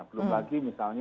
belum lagi misalnya evaluasi